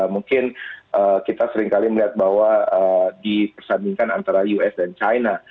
mungkin kita seringkali melihat bahwa dipersandingkan antara us dan china